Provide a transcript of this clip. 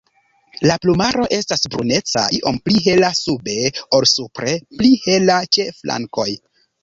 La plumaro estas bruneca, iom pli hela sube ol supre, pli hela ĉe flankoj.